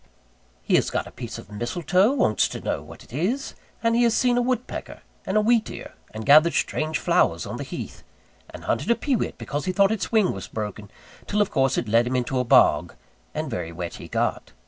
He has got a piece of mistletoe, wants to know what it is; and he has seen a woodpecker, and a wheat ear, and gathered strange flowers on the heath; and hunted a peewit because he thought its wing was broken, till of course it led him into a bog, and very wet he got.